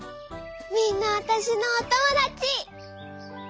みんなわたしのおともだち！